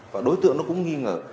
và đối tượng nó cũng nghi ngờ